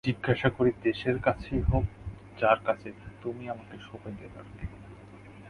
জিজ্ঞাসা করি দেশের কাছে হোক যার কাছেই হোক তুমি আমাকে সঁপে দেবার কে?